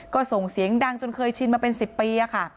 ก็ส่งเสียงดังจนเคยชินมาเป็น๑๐ปีค่ะ